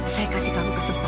saya kasih kamu kesempatan